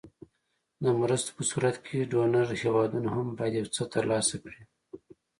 د مرستو په صورت کې ډونر هېوادونه هم باید یو څه تر لاسه کړي.